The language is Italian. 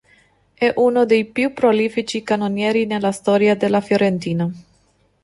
È uno dei più prolifici cannonieri nella storia della Fiorentina.